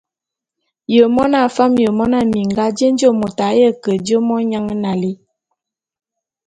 Ye mona fam ye mona minga, jé nje môt a ye ke je monyan nalé?